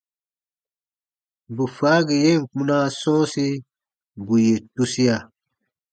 Bù faagi yen kpunaa sɔ̃ɔsi, bù yè tusia.